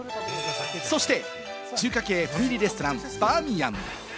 そして中華系ファミリーレストラン、バーミヤン。